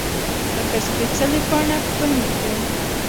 لکه سپیڅلې پاڼه ښکل مې کړې